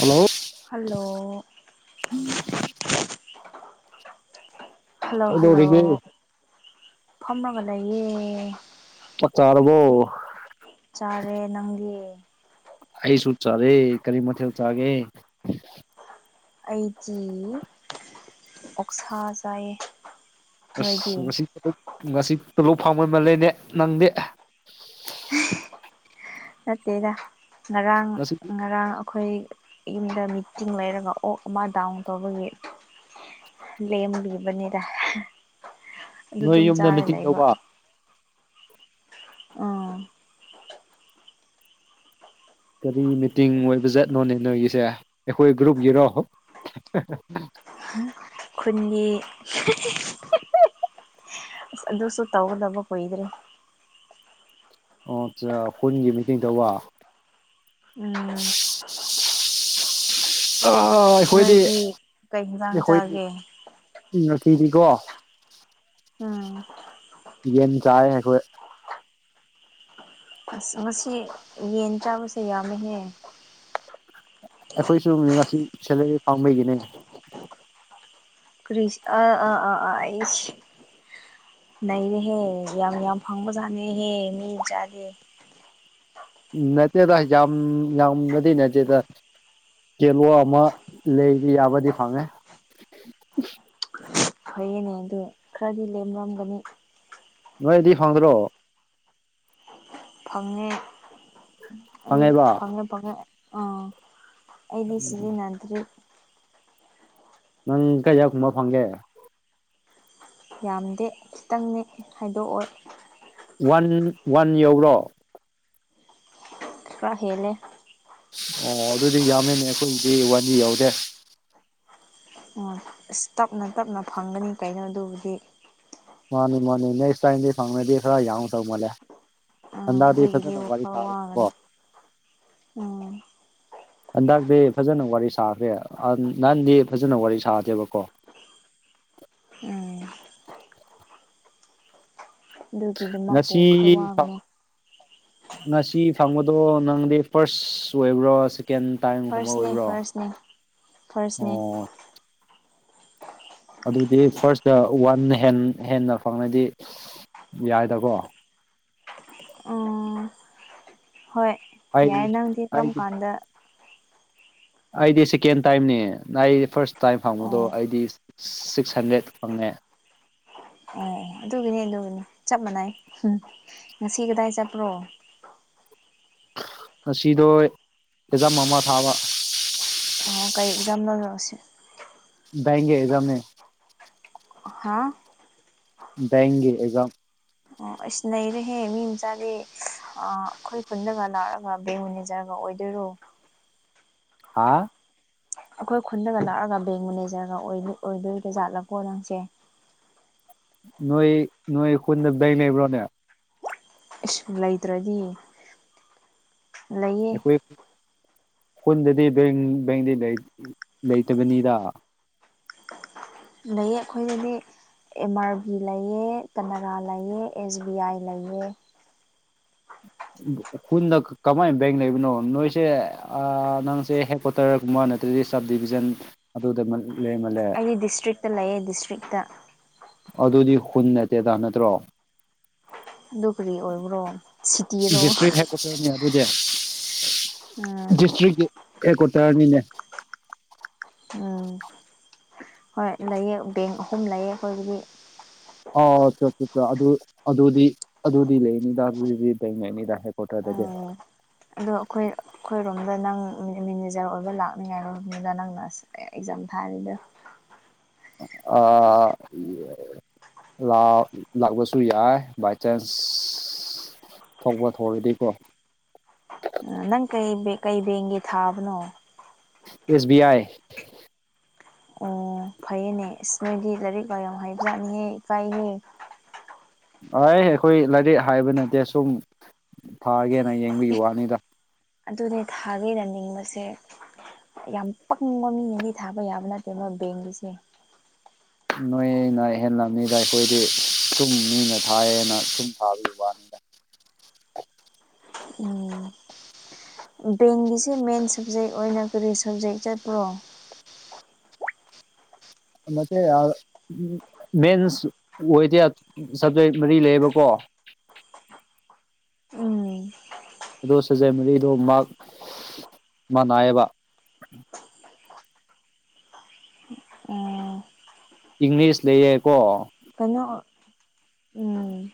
Hello hello hello hello ꯀꯩꯗꯧꯔꯤꯒꯦ ꯐꯝꯒ ꯂꯩꯌꯦ ꯆꯥꯛ ꯆꯥꯔꯕꯣ ꯆꯥꯔꯦ ꯅꯪꯒꯤ ꯑꯩꯁꯨ ꯆꯔꯦ ꯀꯔꯤ ꯃꯊꯦꯜ ꯆꯔꯒꯦ ꯑꯩꯗꯤ ꯑꯣꯛꯁꯥ ꯆꯥꯏꯌꯦ ꯑꯁ ꯅꯣꯏꯗꯤ ꯉꯁꯤ ꯉꯁꯤ ꯇꯣꯂꯣꯞ ꯐꯥꯝ ꯑꯣꯏꯃ ꯂꯩꯅꯦ ꯅꯪꯗꯤ ꯅꯠꯇꯦꯗ ꯉꯔꯥꯡ ꯉꯁꯤ ꯉꯔꯥꯡ ꯑꯩꯈꯣꯏ ꯌꯨꯝꯗ ꯃꯤꯇꯤꯡ ꯂꯩꯔꯒ ꯑꯣꯛ ꯑꯃ ꯗꯥꯎꯟ ꯇꯧꯕꯒꯤ ꯂꯦꯝꯕꯤꯕꯅꯤꯗ ꯑꯗꯨ ꯅꯣꯏ ꯑꯗꯨꯝ ꯌꯨꯝꯗ ꯆꯥꯔ ꯃꯤꯇꯤꯡ ꯂꯩꯕ ꯇꯧꯕ ꯑ ꯀꯔꯤ ꯃꯤꯇꯤꯡ ꯑꯣꯏꯕ ꯆꯠꯅꯣꯅꯦ ꯅꯣꯏꯒꯤꯁꯦ ꯑꯩꯈꯣꯏ ꯒ꯭ꯔꯨꯞ ꯌꯦꯔꯣ ꯈꯨꯟꯒꯤ ꯑꯗꯨꯁꯨ ꯇꯧꯒꯗꯕ ꯀꯨꯏꯗ꯭ꯔꯦ ꯑꯣ ꯑꯆꯥ ꯈꯨꯟꯒꯤ ꯃꯤꯇꯤꯡ ꯇꯧꯕ ꯎꯝ [inaudible] ꯑꯥ ꯑꯩꯈꯣꯏꯗꯤ ꯅꯣꯏꯗꯤ ꯀꯩ ꯌꯦꯟꯖꯥꯡ ꯑꯩꯈꯣꯏꯗꯤ ꯆꯥꯒꯦ ꯉꯁꯤꯗꯤꯀꯣ ꯎꯝ ꯌꯦꯟ ꯆꯥꯏꯌꯦ ꯑꯁ ꯉꯁꯤ ꯌꯦꯟ ꯆꯥꯕꯁꯦ ꯌꯥꯝꯃꯦꯍꯦ ꯑꯩꯈꯣꯏ ꯉꯁꯤ ꯁꯦꯂꯔꯤ ꯄꯥꯝꯕꯩꯒꯤꯅꯦ ꯀ꯭ꯔꯤꯁ ꯑꯥ ꯑꯥ ꯑꯥ ꯑꯥ ꯑꯩ ꯅꯔꯦꯍꯦ ꯌꯥꯝ ꯌꯥꯝ ꯐꯪꯕꯖꯥꯠꯅꯤꯍꯦ ꯃꯤ ꯆꯥꯗꯦ ꯅꯠꯇꯦꯗ ꯌꯥꯝ ꯌꯥꯝꯅꯗꯤ ꯅꯠꯇꯦꯗ ꯀꯦꯂꯣ ꯑꯃ ꯂꯩꯕ ꯌꯥꯕꯗꯤ ꯐꯪꯉꯦ ꯐꯩꯌꯦꯅꯦ ꯑꯗꯨꯗ ꯈꯔꯗꯤ ꯂꯦꯝꯂꯝꯝꯒꯅꯤ ꯅꯣꯏꯗꯤ ꯐꯪꯗ꯭ꯔꯣ ꯐꯪꯉꯦ ꯑꯩ ꯐꯪꯉꯦꯕ ꯐꯪꯉꯦ ꯐꯪꯉꯦ ꯑ ꯑꯩꯗꯤ ꯁꯤꯖꯤꯟꯗ꯭ꯔꯦ ꯅꯪ ꯀꯩꯌꯥꯝ ꯀꯨꯝꯕ ꯐꯪꯒꯦ ꯌꯥꯝꯗꯦ ꯈꯤꯇꯪꯅꯤ ꯍꯥꯏꯗꯣꯛꯑꯣ ꯋꯥꯟ ꯋꯥꯟ ꯌꯧꯔꯣ ꯍꯦꯅꯦꯦ ꯑꯣ ꯑꯗꯨꯗꯤ ꯌꯥꯝꯃꯦꯅꯦ ꯑꯩꯈꯣꯏꯒꯤꯗꯤ ꯋꯥꯅꯤ ꯌꯥꯎꯗꯦ ꯑꯁ ꯇꯞꯅ ꯇꯞꯅ ꯐꯪꯒꯅꯤ ꯀꯥꯏꯅꯣ ꯑꯗꯨꯕꯨꯗꯤ ꯃꯥꯅꯤ ꯃꯥꯅꯤꯅꯦ ꯅꯦꯛꯁ ꯇꯥꯏꯝꯗꯤ ꯐꯪꯗꯤ꯭ꯔ ꯌꯥꯎ ꯁꯧ ꯃꯂꯦ ꯑꯥ ꯍꯟꯗꯗꯤ ꯑꯗꯨꯒꯤꯗꯤ ꯐꯖꯅ ꯋꯥꯔꯤ ꯋꯥꯈꯜ ꯁꯥꯥꯔꯦ ꯀꯣ ꯋꯥꯒꯅꯨ ꯎꯝ ꯍꯟꯗꯛꯁꯦ ꯐꯖꯅ ꯋꯥꯔꯤ ꯁꯥꯈ꯭ꯔꯦ ꯅꯍꯥꯟꯗꯤ ꯐꯖꯅ ꯋꯥꯔꯤ ꯁꯥꯗꯦꯕꯀꯣ ꯎꯝ ꯑꯗꯨꯒꯤꯗꯤ ꯃꯥꯄꯨ ꯉꯁꯤ ꯈꯔ ꯋꯥꯡꯉꯣ ꯉꯁꯤ ꯐꯪꯕꯗꯣ ꯅꯪꯗꯤ ꯐꯥꯔꯁ ꯑꯣꯏꯕ꯭ꯔꯣ ꯁꯤ ꯀꯦꯟ ꯇꯥꯏꯝꯒꯨꯝꯕ ꯐꯥꯔꯁꯅꯦ ꯑꯣꯏꯕ꯭ꯔꯣ ꯑꯣ ꯐꯥꯔꯁꯅꯦ ꯐꯥꯔꯁꯅꯦ ꯑꯗꯨꯗꯤ ꯐꯥꯔꯁꯇ ꯋꯥꯟ ꯍꯦꯟ ꯍꯦꯟꯅ ꯐꯪꯅꯗꯤ ꯌꯥꯏꯗꯀꯣ ꯎꯝ ꯍꯣꯏ ꯑꯩ ꯌꯥꯏ ꯅꯪꯗꯤ ꯑꯩ ꯀꯔꯝ ꯀꯥꯟꯗ ꯑꯩꯗꯤ ꯁꯦꯀꯦꯟ ꯇꯥꯏꯝꯅꯤ ꯑꯩ ꯐꯥꯔꯁ ꯇꯥꯏꯝ ꯐꯪꯕꯗꯣ ꯑꯣ ꯑꯩꯗꯤ ꯁꯤꯛꯁ ꯍꯟꯗ꯭ꯔꯦꯗ ꯐꯪꯉꯦ ꯑꯣ ꯑꯗꯨꯒꯤꯅꯤ ꯑꯗꯨꯒꯤꯅꯤ ꯆꯞ ꯃꯥꯟꯅꯏ ꯎ ꯉꯁꯤ ꯀꯗꯥꯏ ꯆꯠꯄ꯭ꯔꯣ ꯉꯁꯤꯗꯣ ꯑꯦꯛꯖꯥꯝ ꯑꯃ ꯊꯥꯕ ꯑꯣ ꯀꯩ ꯑꯦꯛꯖꯥꯝ ꯅꯣ ꯁꯤ ꯕꯦꯡꯀꯤ ꯑꯦꯛꯖꯥꯝꯅꯤ꯫ ꯍꯥꯥ ꯕꯦꯡꯒꯤ ꯑꯦꯛꯖꯥꯝ ꯑꯩꯁ ꯅꯩꯔꯦꯍꯦ ꯃꯤ ꯃꯆꯥꯗꯤ ꯑꯥ ꯑꯈꯣꯏ ꯈꯨꯟꯗꯒ ꯂꯥꯛꯑꯒ ꯕꯦꯡ ꯃꯦꯅꯦꯖꯔꯒ ꯑꯣꯏꯗꯣꯏꯔꯣ? ꯍꯥ ꯑꯩꯈꯣꯏ ꯈꯨꯟꯗꯒ ꯂꯥꯛꯑꯒ ꯕꯦꯡ ꯃꯦꯅꯦꯖꯔꯒ ꯑꯣꯏꯗꯣꯏꯗ ꯖꯥꯠꯂꯀꯣ ꯅꯪꯁꯦ꯫ ꯅꯣꯏ ꯅꯣꯏ ꯈꯨꯨꯟꯗꯗ ꯕꯦꯡ ꯂꯩꯕ꯭ꯔꯣꯅꯦ? ꯏꯁ ꯂꯩꯇ꯭ꯔꯗꯤ! ꯂꯩꯌꯦ ꯑꯩꯈꯣꯏ ꯈꯨꯟꯗꯗꯤ ꯕꯦꯡ ꯕꯦꯡꯗꯤ ꯂꯩ ꯂꯩꯇꯕꯅꯤꯗ꯫ ꯂꯩꯌꯦ ꯑꯈꯣꯏꯗꯗꯤ ꯑꯦꯝ ꯑꯥꯔ ꯕꯤ ꯂꯩꯌꯦ ꯀꯅꯔꯥ ꯂꯩꯑ ꯑꯦꯁ ꯕꯤ ꯑꯥꯏ ꯂꯩꯌꯦ ꯫ ꯈꯨꯟꯗ ꯀꯃꯥꯏ ꯕꯦꯡ ꯂꯩꯕꯅꯣ ꯅꯣꯏꯁꯦ ꯑꯥ ꯅꯪꯁꯦ ꯍꯦꯗ ꯀ꯭ꯋꯥ ꯇꯔ ꯒꯨꯝꯕꯥ ꯅꯠꯇ꯭ꯔꯗꯤ ꯁꯕ ꯗꯤꯕꯤꯖꯟ ꯑꯗꯨꯗ ꯅꯪ ꯂꯩꯃꯥꯜꯂꯦ꯫ ꯑꯩ ꯗꯤꯁꯇ꯭ꯔꯤꯛꯇ ꯂꯩꯌꯦ ꯗꯤꯁꯇ꯭ꯔꯤꯛꯇ ꯑꯗꯨꯗꯤ ꯍꯨꯟ ꯅꯠꯇꯦꯗ ꯅꯠꯇ꯭ꯔꯣ ꯑꯗꯨ ꯀꯔꯤ ꯑꯣꯏꯕ꯭ꯔꯣ [unintelligible] ꯑꯗꯨꯗꯤ ꯁꯤꯇꯤꯔꯣ ꯎꯝ ꯗꯤꯁꯇ꯭ꯔꯤꯛ ꯀꯤ ꯍꯦꯗꯀ꯭ꯋꯥꯇꯥꯔꯅꯤꯅꯦ꯫ ꯎꯝ ꯍꯣꯏ ꯂꯩꯑꯦ ꯕꯦꯡ ꯑꯍꯨꯝ ꯂꯩꯌꯦ ꯑꯩꯈꯣꯏꯒꯤꯗꯤ꯫ ꯑꯣ [unintelligible] ꯑꯗꯨ ꯑꯗꯨꯗꯤ ꯑꯗꯨꯗꯤ ꯂꯩꯅꯤꯗ ꯑꯗꯨꯗꯤ ꯊꯦꯡꯅꯅꯤꯗ ꯍꯦꯗ ꯀ꯭ꯋꯥꯇꯔꯗꯗꯤ꯫ ꯎꯝ ꯑꯗꯣ ꯑꯩꯈꯣꯏ ꯑꯩꯈꯣꯏꯔꯣꯝꯗ ꯅꯪ ꯃꯦꯅꯦꯖꯔ ꯑꯣꯏꯕ ꯂꯥꯛꯅꯤꯉꯥꯏ ꯔꯣꯝꯅꯤꯗ ꯅꯪꯅ ꯑꯁ ꯑꯦꯛꯖꯥꯝ ꯊꯥꯔꯤꯗ ꯑꯥ ꯂꯥꯛ ꯂꯥꯛꯄꯁꯨ ꯌꯥꯏ ꯕꯥꯏ ꯆꯥꯟꯁ ꯊꯣꯛꯄ ꯊꯧꯔꯗꯤꯀꯣ ꯅꯪ ꯀꯩ ꯕꯦꯡ ꯀꯩ ꯕꯦꯡꯒꯤ ꯊꯥꯕꯅꯣ? ꯑꯦꯁ ꯕꯤ ꯑꯥꯏ ꯑꯣ ꯐꯩꯌꯦꯅꯦ ꯏꯁ ꯃꯤꯗꯤ ꯂꯥꯏꯔꯤꯛ ꯀ ꯌꯥꯝ ꯍꯩꯕꯖꯥꯠꯅꯤꯍꯦ ꯏꯀꯥꯏꯍꯦ꯫ ꯑꯩ ꯑꯩꯈꯣꯏ ꯂꯥꯏꯔꯤꯛ ꯍꯥꯏꯕ ꯅꯠꯇꯦ ꯁꯨꯝ ꯊꯥꯒꯦꯅ ꯌꯦꯡꯕꯤꯒꯤ ꯋꯥꯅꯤꯗ꯫ ꯑꯗꯨꯅꯦ ꯊꯥꯒꯤꯅꯅꯤꯡꯕꯁꯦ ꯌꯥꯝ ꯄꯪꯕ ꯃꯤꯅꯗꯤ ꯊꯥꯕ ꯌꯥꯕ ꯅꯠꯇꯦ ꯃꯣꯏ ꯕꯦꯡꯒꯤꯁꯦ꯫ ꯅꯣꯏꯅ ꯍꯦꯟꯂꯝꯅꯤꯗ ꯑꯩꯈꯣꯏꯗꯤ ꯁꯨꯝ ꯃꯤꯅ ꯊꯥꯏꯑꯅ ꯁꯨꯝ ꯊꯥꯕꯒꯤ ꯋꯥꯅꯤꯗ꯫ ꯎꯝ ꯕꯦꯡꯒꯤꯁꯤ ꯃꯦꯟ ꯁꯕꯖꯦꯛ ꯑꯣꯏꯅ ꯀꯔꯤ ꯁꯕꯖꯦꯛ ꯆꯠꯄ꯭ꯔꯣ? ꯃꯦꯟꯁ ꯑꯣꯏꯗꯦ ꯁꯞꯖꯦꯛ ꯃꯔꯤ ꯂꯩꯌꯦꯕꯀꯣ ꯎꯝ ꯑꯗꯣ ꯁꯕꯖꯦꯛ ꯃꯔꯤꯗꯣ ꯃꯥꯔꯛ ꯃꯥꯅꯥꯏꯑꯕ ꯎꯝ ꯏꯪꯂꯤꯁ ꯂꯩꯌꯦꯀꯣ ꯀꯩꯅꯣ ꯎꯝ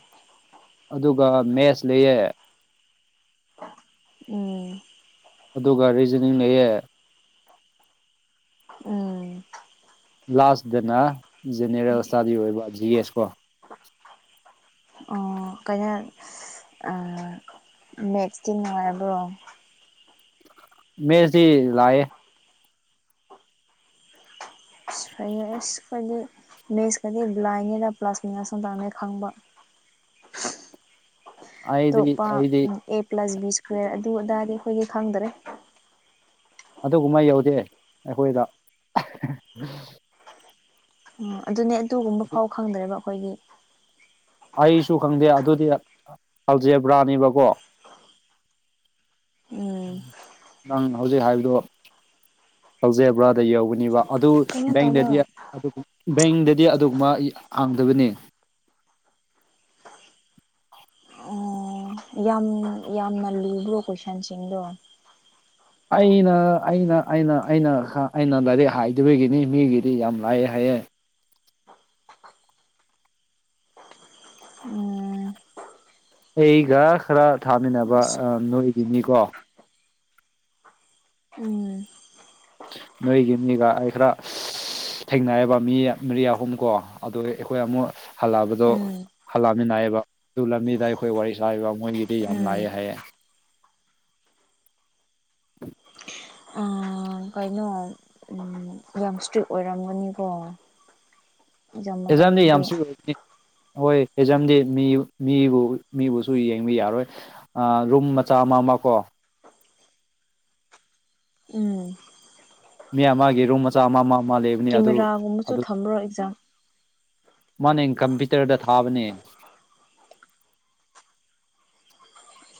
ꯑꯗꯨꯒ ꯃꯦꯁ ꯂꯩꯑꯦ ꯎꯝ ꯑꯗꯨꯒ ꯔꯤꯖꯅꯤꯡ ꯂꯩꯌꯦ ꯎꯝ ꯂꯥꯁꯇꯅ ꯖꯦꯅꯦꯔꯦꯜ ꯏꯁꯇꯥꯗꯤ ꯑꯣꯏꯕ ꯖꯤ ꯑꯦꯁ ꯀꯣ꯫ [unintelligible] ꯑ ꯃꯦꯠꯁꯇꯤ ꯅꯨꯡꯉꯥꯏꯕ꯭ꯔꯣ? ꯃꯦꯁꯤ ꯂꯑ ꯁ ꯑꯁ ꯈꯗꯤ ꯃꯤꯦꯁꯀꯗꯤ ꯕ꯭ꯂꯥꯏꯉꯦꯗ ꯄ꯭ꯂꯥꯁꯇꯛ ꯉꯁ ꯇꯥꯡꯅꯤꯩ ꯈꯪꯕ ꯑꯩꯗꯤ ꯑꯇꯣꯞꯄ ꯑꯩꯗꯤ ꯑꯦ ꯄ꯭ꯂꯁ ꯕꯤ ꯏꯁ꯭ꯀ꯭ꯋꯦꯔ ꯑꯗꯨ ꯑꯗꯥꯗꯤ ꯑꯩꯈꯣꯏꯒꯤ ꯈꯪꯗꯔꯦ ꯑꯗꯨꯒꯨꯝꯕ ꯌꯧꯗꯦ ꯑꯩꯈꯣꯏꯗ ꯎ ꯑꯗꯨꯅꯦ ꯑꯗꯨꯒꯨꯝꯕ ꯐꯥꯎ ꯈꯪꯗ꯭ꯔꯦꯕ ꯑꯩꯈꯣꯏꯒꯤ ꯑꯩꯁꯨ ꯈꯪꯗꯦ ꯑꯗꯨꯗꯤ ꯀꯜꯖꯦꯕ꯭ꯔꯥꯅꯤꯕꯀꯣ ꯎꯝ ꯅꯪ ꯍꯧꯖꯤꯛ ꯍꯥꯏꯕꯗꯣ ꯀꯧꯖꯦꯕ꯭ꯔꯥꯗ ꯌꯧꯒꯅꯦꯕ ꯑꯗꯨ ꯀꯩꯅꯣ ꯇꯧꯕ ꯕꯦꯡꯗꯗꯤ ꯕꯦꯡꯗꯗꯤ ꯑꯗꯨꯒꯨꯝꯕ ꯍꯥꯡꯗꯕꯅꯤ ꯎꯝ ꯌꯥꯝ ꯌꯥꯝꯅ ꯂꯨꯕ꯭ꯔꯣ ꯀꯣꯏꯁꯟꯁꯤꯡꯗꯣ ꯑꯩꯅ ꯑꯩꯅ ꯑꯩꯅ ꯑꯩꯅ ꯑꯩꯅ ꯂꯥꯏꯔꯤꯛ ꯍꯥꯏꯗꯕꯒꯤꯅꯤ ꯃꯤꯒꯤꯗꯤ ꯌꯥꯝ ꯂꯥꯏꯑꯦ ꯍꯥꯏꯌꯦꯦ ꯎꯝ ꯑꯩꯒ ꯈꯔ ꯊꯥꯃꯤꯟꯅꯕ ꯅꯣꯏꯒꯤꯅꯤꯀꯣ ꯎꯝ ꯅꯣꯏꯒꯤ ꯃꯤꯒ ꯑꯩ ꯈꯔ ꯊꯦꯡꯅꯔꯕ ꯃꯤ ꯃꯔꯤ ꯑꯍꯨꯝ ꯀꯣ ꯑꯗꯨꯒ ꯑꯩꯈꯣꯏ ꯑꯃꯨꯛ ꯍꯜꯂꯛꯑꯕꯗꯣ ꯎꯝ ꯍꯜꯂꯛꯑꯃꯤꯟꯅꯏꯌꯦꯕ ꯑꯗꯨ ꯂꯝꯕꯤꯗ ꯑꯩꯈꯣꯏ ꯋꯥꯔꯤ ꯁꯥꯥꯏꯕ ꯃꯣꯏꯒꯤꯗꯤ ꯌꯥꯝ ꯎꯝ ꯂꯥꯛꯑꯦ ꯍꯥꯏꯌꯦ [inaudible] ꯎꯝ ꯀꯩꯅꯣ ꯌꯪ ꯏꯁꯇ꯭ꯔꯤꯠ ꯑꯣꯏꯔꯝꯒꯅꯤꯀꯣ ꯑꯦꯛꯖꯥꯝ ꯑꯦꯖꯥꯝꯗꯤ ꯃꯇꯝꯗꯗꯤ ꯌꯥꯝꯁꯨꯨ ꯑꯣꯏꯗꯤ ꯍꯣꯏ ꯐꯦꯖꯝꯗꯤ ꯃꯤ ꯃꯤꯕꯨ ꯃꯤꯕꯨꯁꯨ ꯌꯦꯡꯕ ꯌꯥꯔꯣꯏ ꯔꯨꯝ ꯃꯆꯥ ꯑꯃ ꯑꯃ ꯀꯣ ꯎꯝ ꯃꯤ ꯑꯃꯒꯤꯒꯤ ꯔꯨꯝ ꯃꯆꯥ ꯑꯃ ꯑꯃ ꯑꯃ ꯂꯩꯕ ꯀꯦꯃꯦꯔꯥꯒꯨꯝꯕꯁꯨ ꯊꯝꯃ꯭ꯔꯣ ꯑꯦꯛꯖꯥꯝ ꯃꯥꯅ ꯀꯝꯄ꯭ꯌꯨꯇꯔꯗ ꯊꯥꯕꯅꯦ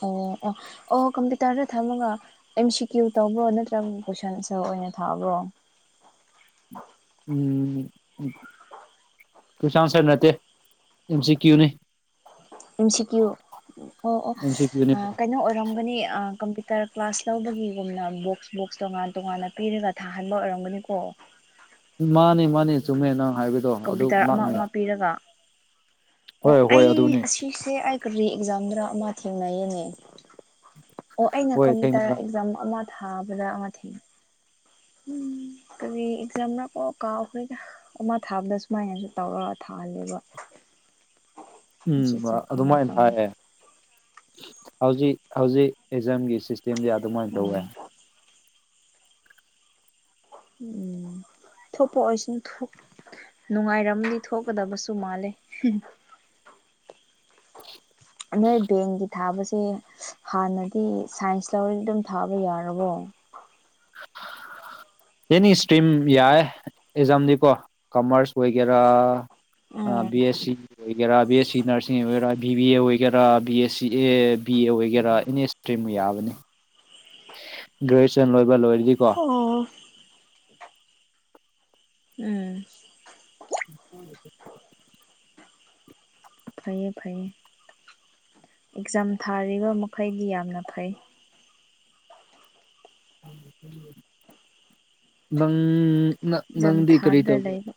ꯑꯣ ꯑꯣ ꯑꯣ ꯀꯝꯄ꯭ꯌꯨꯇꯔꯗ ꯊꯝꯃꯒ ꯑ ꯁꯤꯦꯀ꯭ꯌꯣꯔ ꯇꯧꯕ꯭ꯔꯣ ꯅꯠꯇ꯭ꯔꯒ ꯀꯣꯏꯁꯟ ꯑꯟꯁꯔ ꯑꯣꯏꯅ ꯊꯥꯕ꯭ꯔꯣ ꯎꯝ ꯎ ꯀꯣꯏꯁꯟ ꯑꯟꯁꯔ ꯅꯠꯇꯦ ꯑꯟ ꯁꯤ ꯀ꯭ꯌꯨꯅꯤ ꯑꯦꯝ ꯁꯤ ꯀ꯭ꯌꯨ ꯑꯣ ꯑꯦꯝ ꯁꯤ ꯀ꯭ꯌꯨꯅꯤ ꯑꯣ ꯀꯩꯅꯣ ꯑꯣꯏꯔꯝꯒꯅꯤ ꯀꯝꯄ꯭ꯌꯨꯇꯔ ꯀ꯭ꯂꯥꯁ ꯂꯧꯕꯒꯤꯒꯨꯝꯅ ꯕꯣꯛꯁ ꯕꯣꯛꯁ ꯇꯣꯉꯥꯟ ꯇꯣꯉꯥꯟꯅ ꯄꯤꯔꯒ ꯊꯥꯍꯟꯕ ꯑꯣꯏꯔꯝꯒꯅꯤꯀꯣ ꯃꯥꯅꯤ ꯃꯥꯅꯤ ꯆꯨꯝꯃꯦ ꯅꯪ ꯍꯥꯏꯕꯗꯣ ꯑꯗꯨ ꯀꯝꯄ꯭ꯌꯨꯇꯔ ꯑꯃ ꯉꯥꯛꯅꯤ ꯑꯃ ꯄꯤꯔꯒ ꯑꯣ ꯍꯣꯏ ꯍꯣꯏ ꯑꯩ ꯑꯗꯨꯅꯤ ꯑꯁꯤꯁꯦ ꯑꯩꯒ ꯔꯤ ꯑꯦꯛꯖꯥꯝꯗ ꯑꯃ ꯊꯦꯡꯅꯩꯌꯦꯅꯦ ꯑꯣ ꯑꯩꯅ ꯍꯣꯏ ꯀꯝꯄ꯭ꯌꯨꯇꯔ ꯊꯦꯡꯅꯔ ꯑꯦꯛꯖꯥꯝ ꯑꯃ ꯊꯥꯕꯗ ꯑꯃ ꯊꯦꯡꯅ ꯎꯝ ꯀꯔꯤ ꯑꯦꯛꯖꯥꯝꯅꯅꯥ ꯀꯣ ꯀꯥꯈꯣꯏꯒ ꯑꯃ ꯊꯥꯕꯗ ꯁꯨꯃꯥꯏꯅ ꯇꯧꯔꯒ ꯊꯥꯍꯜꯂꯦꯕ ꯑꯆꯥ ꯎꯝ ꯆꯥ ꯈꯪꯉꯦ ꯑꯗꯨꯃꯥꯏꯅ ꯈꯪꯉꯦ ꯍꯥꯏꯌꯦꯦ ꯍꯧꯖꯤꯛ ꯍꯧꯖꯤꯛ ꯑꯦꯛꯖꯝꯒꯤ ꯁꯤꯁꯇꯦꯝꯗꯤ ꯑꯗꯨꯃꯥꯏꯅ ꯇꯧꯋꯦ ꯎꯝ ꯎꯝ ꯊꯣꯛꯄꯑꯣꯏꯁꯤꯅ ꯊꯣꯛ ꯅꯨꯡꯉꯥꯏꯔꯝꯗꯤ ꯊꯣꯛꯀꯗꯕꯁꯨ ꯃꯥꯜꯂꯦ ꯅꯣꯏ ꯕꯦꯡꯒꯤ ꯊꯥꯕꯁꯦ ꯍꯥꯟꯅꯗꯤ ꯁꯥꯏꯟꯁ ꯂꯧꯔꯗꯤ ꯑꯗꯨꯝ ꯊꯥꯕ ꯌꯥꯔꯕꯣ ꯑꯦꯅꯤ ꯏꯁꯇ꯭ꯔꯤꯝ ꯌꯥꯏ ꯑꯦꯛꯖꯥꯝꯗꯤꯀꯣ ꯀꯃꯔꯁ ꯑꯣꯏꯒꯦꯔꯥ ꯑ ꯎꯝ ꯕꯤ ꯑꯦꯁ ꯁꯤ ꯑꯣꯏꯒꯦꯔꯥ ꯕꯤ ꯑꯦꯁ ꯁꯤ ꯅꯔꯁꯤꯡ ꯑꯣꯏꯒꯦꯔꯥ ꯕꯤ ꯕꯤ ꯑꯦ ꯑꯣꯏꯒꯦꯔꯥ B S C A B ꯑꯦꯒꯦꯔꯥ ꯑꯦꯅꯤ ꯑꯦꯁ ꯄ꯭ꯔꯤꯝꯃꯨ ꯌꯥꯕꯅꯤ ꯒ꯭ꯔꯦꯖꯨꯑꯦꯁꯟ ꯂꯣꯏꯕ ꯂꯣꯏꯔꯗꯤꯀꯣ ꯑꯣ ꯎꯝ [unintelligible] ꯐꯩꯌꯦ ꯐꯩꯌꯦ ꯑꯦꯛꯖꯥꯝ ꯊꯥꯔꯤꯕ ꯃꯈꯩꯗꯤ ꯌꯥꯝꯅ ꯐꯩ ꯅꯪꯪ ꯑꯦꯛꯖꯥꯝ ꯅꯪꯗꯤ ꯀꯔꯤ ꯊꯥꯗ꯭ꯔ ꯇꯧꯒꯦ ꯂꯩꯕ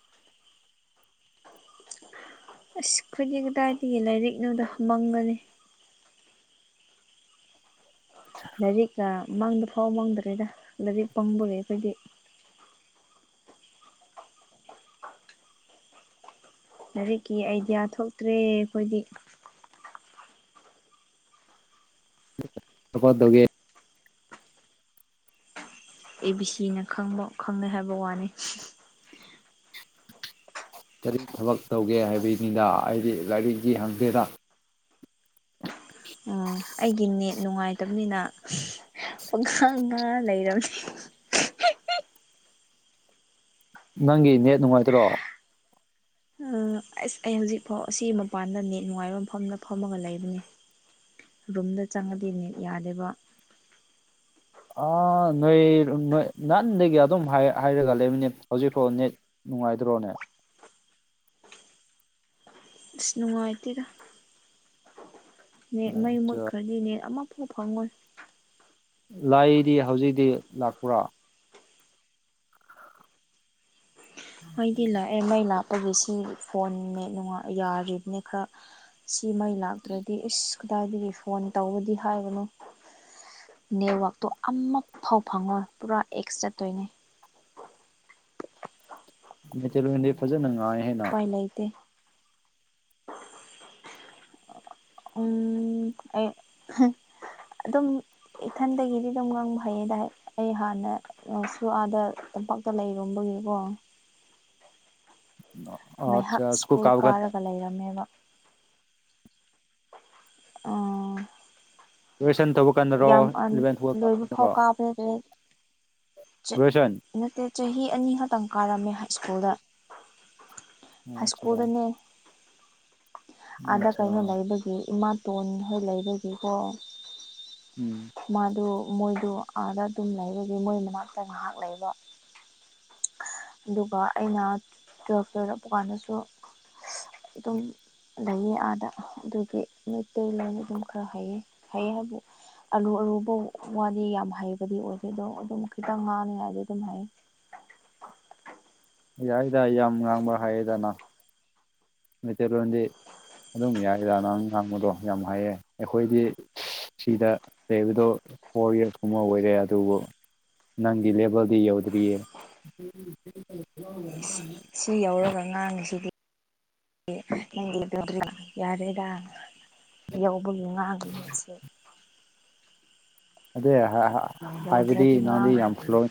ꯑꯁ ꯈꯣꯏꯗꯤ ꯀꯗꯥꯏꯗꯒꯤ ꯂꯥꯏꯔꯤꯛ ꯅꯣꯗ ꯃꯝꯒꯅꯤ ꯂꯥꯏꯔꯤꯛꯀꯥ ꯃꯪꯡꯗ ꯐꯥꯎꯕ ꯃꯥꯡꯗ꯭ꯔꯦꯗ ꯂꯥꯏꯔꯤꯛ ꯄꯪꯕꯒꯤ ꯑꯩꯈꯣꯏꯗꯤ ꯂꯥꯏꯔꯤꯛꯀꯤ ꯑꯥꯏꯗꯤꯌꯥ ꯊꯣꯛꯇ꯭ꯔꯦ ꯑꯩꯈꯣꯏꯗꯤ [unintelligible] ꯑꯦ ꯕꯤ ꯁꯤ ꯅ ꯈꯪꯕ ꯈꯪꯅꯩ ꯍꯥꯏꯕ ꯋꯥꯅꯤ ꯀꯔꯤ ꯊꯕꯛ ꯇꯧꯒꯦ ꯍꯥꯏꯕꯩꯅꯤꯗ ꯑꯩꯗꯤ ꯂꯥꯏꯔꯤꯛꯒꯤ ꯍꯪꯗꯦꯗ ꯎꯝ ꯑꯩꯒꯤ ꯅꯦꯠ ꯅꯨꯡꯉꯥꯏꯇꯕꯅꯤꯅ ꯄꯪ ꯉꯥꯡ ꯉꯥꯡ ꯂꯩꯔꯕꯅꯤ ꯅꯪꯒꯤ ꯅꯦꯠ ꯅꯨꯡꯉꯥꯏꯇ꯭ꯔꯣ ꯑꯁ ꯑꯩ ꯍꯧꯖꯤꯛꯐꯥꯎ ꯑꯁꯤ ꯃꯄꯥꯟꯗ ꯅꯦꯠ ꯅꯨꯡꯉꯥꯏꯕ ꯃꯐꯝꯗ ꯐꯝꯃꯒ ꯂꯩꯕꯅꯤ ꯔꯨꯝꯗ ꯆꯪꯉꯗꯤ ꯅꯤꯠ ꯌꯥꯗꯦꯕ ꯑꯥ ꯅꯣꯏ ꯅꯣꯏ ꯅꯍꯥꯟꯗꯒꯤ ꯑꯗꯨꯝ ꯍꯥꯏꯔꯒ ꯂꯩꯕꯅꯦ ꯍꯧꯖꯤꯛꯐꯥꯎ ꯅꯦꯠ ꯅꯨꯡꯉꯥꯏꯇ꯭ꯔꯣꯅꯦ ꯑꯁ ꯅꯨꯡꯉꯥꯏꯇꯦꯗ ꯅꯦꯠ ꯑꯣ ꯃꯩ ꯃꯨꯠꯈ꯭ꯔꯗꯤ ꯅꯦꯠ ꯑꯃꯐꯥꯎ ꯐꯪꯉꯣꯏ ꯂꯥꯏꯗꯤ ꯍꯧꯖꯤꯛꯇꯤ ꯂꯥꯛꯄ꯭ꯔꯥ ꯃꯩꯗꯤ ꯂꯥꯛꯑꯦ ꯃꯩ ꯂꯥꯞꯄꯒꯤ ꯁꯤ ꯐꯣꯟ ꯅꯦꯠ ꯌꯥꯔꯤꯕꯅꯦ ꯈꯔ ꯁꯤ ꯃꯩ ꯂꯥꯛꯇ꯭ꯔꯗꯤ ꯏꯁ ꯀꯗꯥꯏꯗꯒꯤ ꯐꯣꯟ ꯇꯧꯕꯗꯤ ꯍꯥꯏꯕꯅꯣ ꯅꯦꯠꯋꯥꯛꯇꯣ ꯑꯃ ꯐꯥꯎ ꯐꯪꯉꯣꯏ ꯄꯨꯔꯥ ꯑꯦꯛꯁ ꯆꯠꯇꯣꯏꯅꯦ ꯃꯇꯩ ꯂꯣꯟꯗꯤ ꯐꯖꯅ ꯉꯥꯡꯉꯦꯍꯦ ꯅꯪ ꯑꯦ ꯎꯝ ꯑꯩ ꯑꯗꯨꯝ ꯏꯊꯟꯗꯒꯤꯗꯤ ꯑꯗꯨꯝ ꯉꯪꯕ ꯍꯩꯌꯦꯗ ꯑꯩ ꯍꯥꯟꯅ ꯁꯨ ꯑꯥꯗ ꯇꯝꯄꯥꯛꯇ ꯂꯩꯔꯨꯝꯕꯒꯤꯀꯣ ꯑꯆꯥ ꯉꯥꯏꯍꯥꯛ ꯁ꯭ꯨꯀꯜ ꯁ꯭ꯀꯨꯜ ꯀꯥꯕ ꯀꯥꯟꯗ ꯀꯥꯔꯒ ꯂꯩꯔꯝꯃꯦꯕ ꯑꯣ [unintelligible] ꯌꯥꯝ ꯏꯂꯚꯦꯟ ꯇꯨꯋꯦꯜ ꯀꯥꯕ ꯂꯣꯏꯕ ꯐꯥꯎ ꯀꯥꯟꯗꯔꯣ ꯀꯥꯕ ꯅꯠꯇꯦꯗ ꯒ꯭ꯔꯦꯖꯨꯌꯦꯁꯟ ꯑꯩ ꯅꯠꯇꯦ ꯆꯍꯤ ꯑꯅꯤ ꯈꯛꯇꯪ ꯀꯥꯔꯝꯃꯦ ꯍꯥꯏ ꯁ꯭ꯀꯨꯜꯗ ꯑꯣ ꯍꯥꯏ ꯑꯠꯆꯥ ꯁ꯭ꯀꯨꯜꯗꯅꯦ ꯑꯣ ꯑꯥꯗ ꯑꯠꯆꯥ ꯀꯩꯅꯣ ꯂꯩꯕꯒꯤ ꯏꯃꯥ ꯇꯣꯟ ꯈꯔ ꯂꯩꯕꯒꯤꯀꯣ ꯎꯝ ꯃꯥꯗꯨ ꯃꯣꯏꯗꯨ ꯑꯥꯗ ꯑꯗꯨꯝ ꯂꯩꯕꯒꯤ ꯃꯣꯏ ꯃꯅꯥꯛꯇ ꯉꯥꯏꯍꯥꯛ ꯂꯩꯕ ꯑꯗꯨꯒ ꯑꯩꯅ ꯇꯋꯦꯜꯞꯇ ꯆꯠꯄ ꯀꯥꯟꯗꯁꯨ ꯑꯗꯨꯝ ꯂꯩꯌꯦ ꯑꯥꯗ ꯑꯗꯨꯒꯤ ꯃꯩꯇꯩ ꯂꯣꯟ ꯑꯗꯨꯝ ꯈꯔ ꯍꯩꯌꯦ ꯍꯩꯌꯦ ꯍꯥꯏꯕꯗꯤ ꯑꯔꯨ ꯑꯔꯨꯕ ꯋꯥꯗꯤ ꯌꯥꯝ ꯍꯩꯕꯗꯤ ꯑꯣꯏꯗꯦ ꯑꯗꯣ ꯑꯗꯨꯝ ꯈꯤꯇꯪ ꯉꯥꯡꯉꯦ ꯍꯥꯏꯗꯤ ꯑꯗꯨꯝ ꯍꯩ ꯌꯥꯏꯗ ꯌꯥꯝ ꯉꯥꯡꯕ ꯍꯩꯌꯦꯗ ꯅꯪ ꯃꯩꯇꯩꯂꯣꯟꯗꯤ ꯑꯗꯨꯝ ꯌꯥꯏꯗꯥ ꯅꯪ ꯉꯥꯡꯕꯗꯣ ꯌꯥꯝ ꯍꯩꯌꯦ ꯑꯩꯈꯣꯏꯗꯤ ꯁꯤꯗ ꯂꯩꯕꯗꯣ ꯐꯣꯔ ꯏꯌꯔꯁꯀꯨꯝꯕ ꯑꯣꯏꯔꯦ ꯑꯗꯨꯕꯨ ꯅꯪꯒꯤ ꯂꯦꯕꯜꯒꯤ ꯌꯎꯗꯔꯤꯌꯦ [unintelligible] ꯁꯤ ꯌꯧꯔꯒ ꯉꯥꯡꯉꯤꯁꯤꯗꯤ ꯅꯪꯒꯤ ꯑꯗꯨꯗꯤ ꯌꯥꯔꯦꯗ ꯌꯧꯕꯒꯤ ꯉꯥꯡꯂꯤꯅꯦꯁꯦ ꯑꯗꯨ ꯍꯥꯏꯕꯗꯤ ꯌꯧꯗ꯭ꯔꯗꯤ ꯅꯪꯗꯤ ꯉꯥꯡꯉꯣꯏ ꯌꯥꯝ ꯐ꯭ꯂꯨꯋꯦꯟ